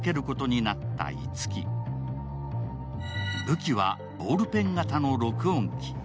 武器はボールペン型の録音機。